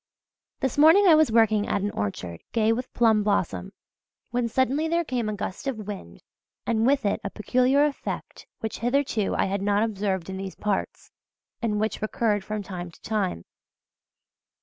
This morning I was working at an orchard gay with plum blossom, when suddenly there came a gust of wind and with it a peculiar effect which hitherto I had not observed in these parts, and which recurred from time to time.